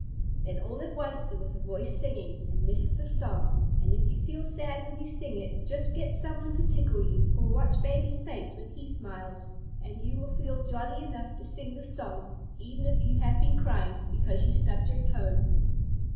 Then, all at once, there was a voice singing, and this is the song, and if you feel sad when you sing it, just get some one to tickle you, or watch baby's face when he smiles, and you will feel jolly enough to sing this song, even if you have been crying because you stubbed your toe.